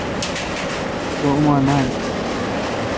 سو°اما نان۔